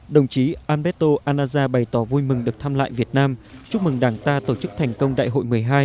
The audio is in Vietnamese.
đồng chí alberto anaza bày tỏ vui mừng được thăm lại việt nam chúc mừng đảng ta tổ chức thành công đại hội một mươi hai